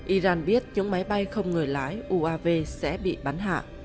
iran biết những máy bay không người lái uav sẽ bị bắn hạ